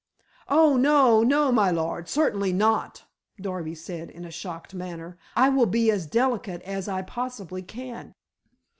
"Oh, no, no, my lord; certainly not," Darby said in a shocked manner. "I will be as delicate as I possibly can.